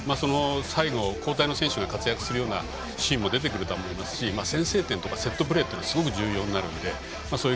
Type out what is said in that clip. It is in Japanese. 最後、交代の選手が活躍するようなシーンも出てくると思いますし先制点とかセットプレーがすごく重要になるので。